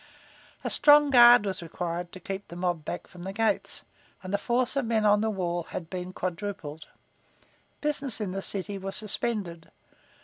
A strong guard was required to keep the mob back from the gates, and the force of men on the wall had been quadrupled. Business in the city was suspended.